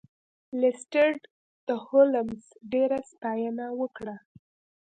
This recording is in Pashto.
لیسټرډ د هولمز ډیره ستاینه وکړه.